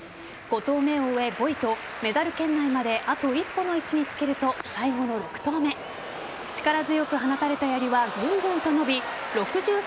５投目を終え５位とメダル圏内まであと一歩の位置につけると最後の６投目力強く放たれたやりはぐんぐんと伸び